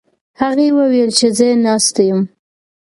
هغې وویل چې زه ناسته یم.